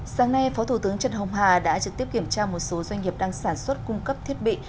sáng nay phó thủ tướng trần hồng hà đã trực tiếp kiểm tra một số doanh nghiệp đang sản xuất cung cấp thiết bị